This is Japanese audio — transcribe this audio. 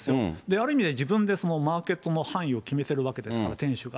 ある意味では、自分でマーケットの範囲を決めてるわけですから、店主が。